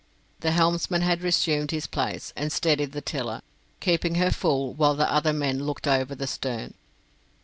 The helmsman had resumed his place, and steadied the tiller, keeping her full, while the other men looked over the stern.